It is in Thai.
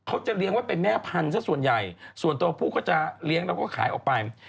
เขาจะเลี้ยงไว้เป็นแม่พันธุ์ซะส่วนใหญ่ส่วนตัวผู้ก็จะเลี้ยงแล้วก็ขายออกไป